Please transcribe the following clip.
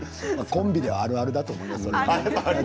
コンビであるあるだと思います。